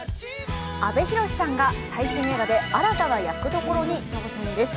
阿部寛さんが、最新映画で新たな役どころに挑戦です。